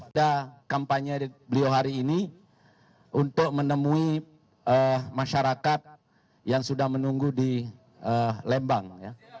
ada kampanye beliau hari ini untuk menemui masyarakat yang sudah menunggu di lembang